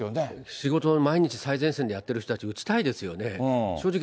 仕事を毎日最前線でやってらっしゃる方、打ちたいですよね。